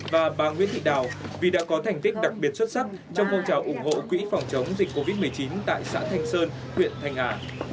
và bà nguyễn thị đào vì đã có thành tích đặc biệt xuất sắc trong phong trào ủng hộ quỹ phòng chống dịch covid một mươi chín tại xã thanh sơn huyện thanh hà